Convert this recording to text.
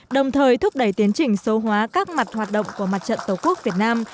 đồng thời thúc đẩy tiến trình sâu hóa các mặt hoạt động của mặt trận tổ quốc việt nam